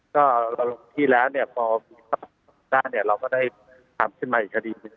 ก็ทีแล้วพอพิทัศน์กำหนดเราก็ได้ทำขึ้นมาอีกคดีหนึ่ง